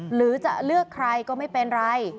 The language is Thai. หรือจะเลือกใครก็ไม่เป็นไร